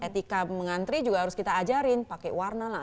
etika mengantri juga harus kita ajarin pakai warna lah